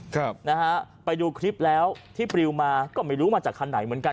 ครับนะฮะไปดูคลิปแล้วที่ปริวมาก็ไม่รู้มาจากคันไหนเหมือนกัน